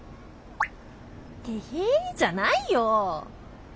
「てへ」じゃないよ！